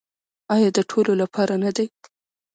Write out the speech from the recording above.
آیا د ټولو لپاره نه دی؟